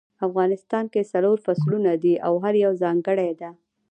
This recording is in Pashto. افغانستان کې څلور فصلونه دي او هر یو ځانګړی ده